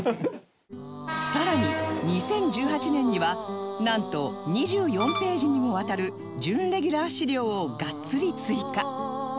さらに２０１８年にはなんと２４ページにもわたる準レギュラー資料をガッツリ追加